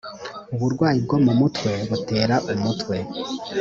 uburwayi bwo mu mutwe butera umutwe